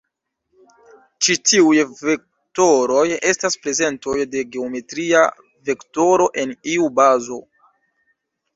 Ĉi tiuj vektoroj estas prezentoj de geometria vektoro en iu bazo.